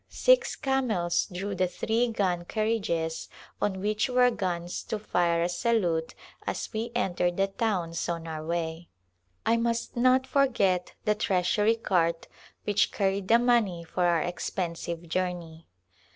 Six camels drew the three gun carriages on which were guns to fire a salute as we entered the towns on our way. I must not forget the treasury cart, Call to Rajpnta7ia which carried the money for our expensive jour ney.